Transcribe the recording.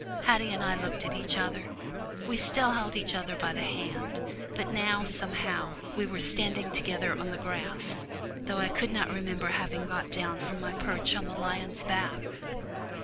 Haddie and I looked at each other we still held each other by the hand, but now, somehow, we were standing together on the grass, though I could not remember having got down from my perch on the lion's back.